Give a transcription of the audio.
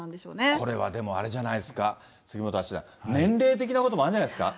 これはでも、あれじゃないですか、杉本八段、年齢的なこともあるんじゃないですか。